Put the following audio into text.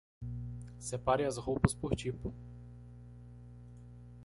Separe as roupas por tipo.